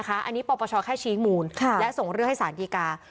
อันนี้ปปชแค่ชี้มูลและส่งเรื่องให้สารดีกา